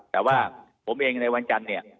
แต่ว่าผมเองในวันจันทร์เนี่ย